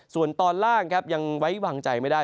ส่วนตอนล่างครับยังไว้วางใจไม่ได้